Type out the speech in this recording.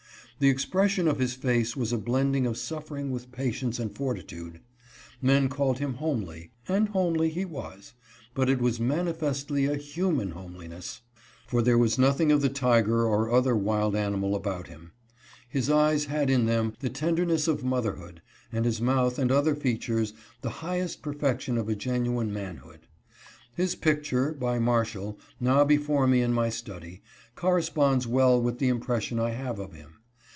The expression of his face was a blending of suffering with patience and fortitude. Men called him homely, and homely he was ; but it was manifestly a human homeliness, for there was nothing of the tiger or other wild animal about him. His eyes had in them the tenderness of motherhood, and his mouth and other fea dr. robinson's speech. 451 tures the highest perfection of a genuine manhood. His picture, by Marshall, now before me in my study, cor responds well with the impression I have of him.